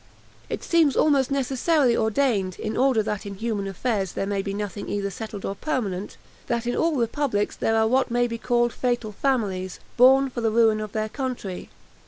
"It seems almost necessarily ordained, in order that in human affairs there may be nothing either settled or permanent, that in all republics there are what may be called fatal families, born for the ruin of their country.